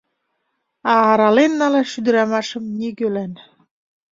А арален налаш ӱдырамашым нигӧлан.